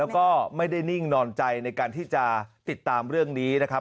แล้วก็ไม่ได้นิ่งนอนใจในการที่จะติดตามเรื่องนี้นะครับ